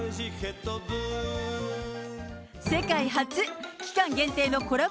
世界初、期間限定のコラボ